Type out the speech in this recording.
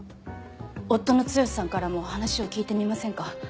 夫の剛さんからも話を聞いてみませんか？